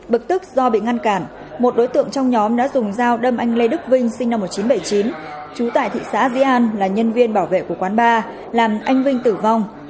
bực tức do bị ngăn cản một đối tượng trong nhóm đã dùng dao đâm anh lê đức vinh sinh năm một nghìn chín trăm bảy mươi chín trú tại thị xã di an là nhân viên bảo vệ của quán ba làm anh vinh tử vong